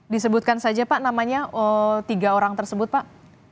disebutkan saja pak namanya tiga orang tersebut pak